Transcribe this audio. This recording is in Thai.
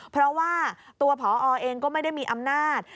เพราะว่าตัวพอเองก็ไม่ได้มีอำนาจ